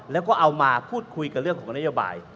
แล้วก็เอามาพูดคุยกับเรื่องของนโยบาย